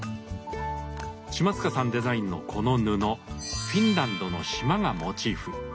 島塚さんデザインのこの布フィンランドの島がモチーフ。